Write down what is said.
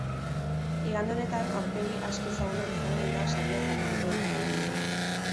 Igande honetan aurpegi aski ezagunak izango dira sariak banatuko dituztenak.